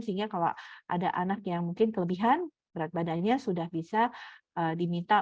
sehingga kalau ada anak yang mungkin kelebihan berat badannya sudah bisa diminta